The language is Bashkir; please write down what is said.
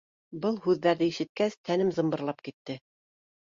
Был һүҙҙәрҙе ишеткәс, тәнем зымбырлап китте.